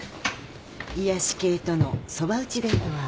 癒やし系とのそば打ちデートは。